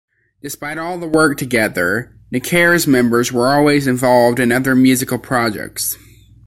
Despite all the work together, Necare's members were always involved in other musical projects.